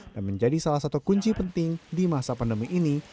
dan menjadi salah satu kunci penting di masa pandemi ini